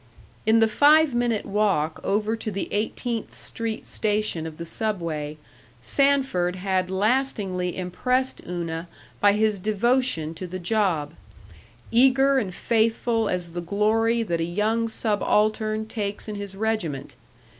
In the five minute walk over to the Eighteenth Street station of the Subway, Sanford had lastingly impressed Una by his devotion to the job; eager and faithful as the glory that a young subaltern takes in his regiment.